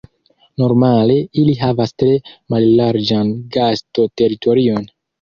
Normale ili havas tre mallarĝan gasto-teritorion.